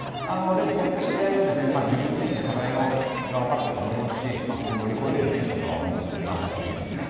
でも、こういった試合を自分自身も課題が分かったと思いますしここを乗り越えれる選手だと思いますので頑張ってほしいですよね。